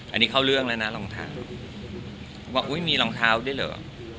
อันนี้เข้าเรื่องแล้วนะรองเท้าบอกอุ้ยมีรองเท้าด้วยเหรอ